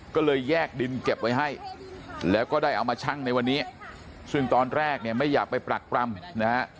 ก็เลยแยกดินเก็บไว้ให้แล้วก็ได้เอามาชั่งในวันนี้ซึ่งตอนแรกเนี่ยไม่อยากไปปรักปรำนะฮะ